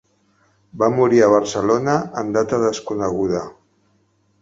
Va morir a Barcelona, en data desconeguda.